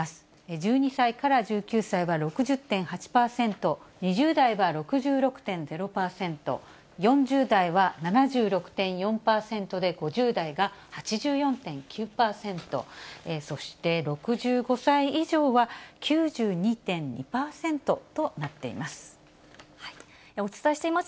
１２歳から１９歳は６０．８％、２０代は６６．０％、４０代は７６．４％で、５０代が８４．９％、そして６５歳以上は９２．２％となっています。